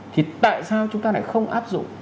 thì tại sao chúng ta lại không áp dụng